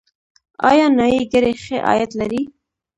آیا نایي ګري ښه عاید لري؟